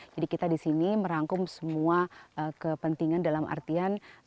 jadi kita di sini merangkum semua kepentingan dalam artian